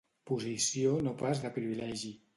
Posició no pas de privilegi.